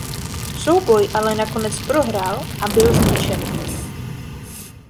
Souboj ale nakonec prohrál a byl zničen.